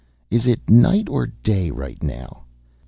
"Is it night or day right now?"